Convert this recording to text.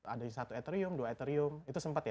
ada yang satu ethereum dua ethereum itu sempat ya